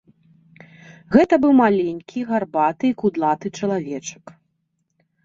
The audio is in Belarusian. Гэта быў маленькі, гарбаты і кудлаты чалавечак.